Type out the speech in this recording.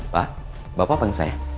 pak bapak pengen saya